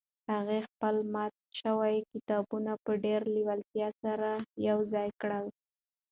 هغې خپل مات شوي کتابونه په ډېرې لېوالتیا سره یو ځای کړل.